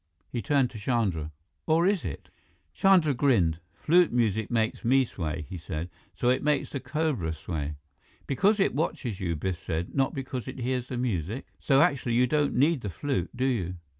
He turned to Chandra. "Or is it?" Chandra grinned. "Flute music makes me sway," he said, "so it makes the cobra sway." "Because it watches you," Biff said, "not because it hears the music? So actually, you don't need the flute, do you?"